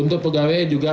untuk pegawai juga